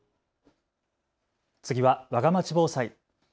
次はわがまち防災。